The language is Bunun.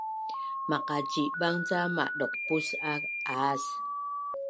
Maqacibang ca madauqpus a aas